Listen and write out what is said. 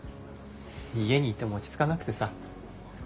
家にいても落ち着かなくてさ。